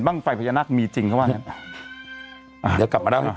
บ้างไฟพยานักมีจริงเขาว่านั้น